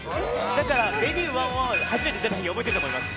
だから「Ｖｅｎｕｅ１０１」初めて出たとき覚えてると思います。